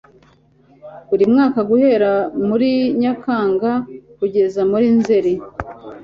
buri mwaka guhera muri nyakanga kugeza muri nzeri